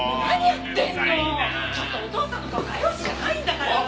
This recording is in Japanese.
何やってんの！？